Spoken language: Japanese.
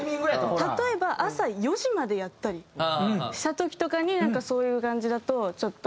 例えば朝４時までやったりした時とかになんかそういう感じだとちょっと。